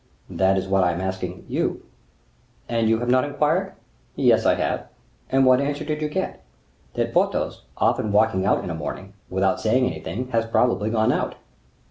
"That is what I am asking you." "And have you not inquired?" "Yes, I have." "And what answer did you get?" "That Porthos, often walking out in a morning, without saying anything, had probably gone out."